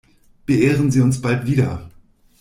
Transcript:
Beehren Sie uns bald wieder!